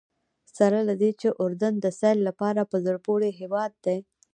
سره له دې چې اردن د سیل لپاره په زړه پورې هېواد دی.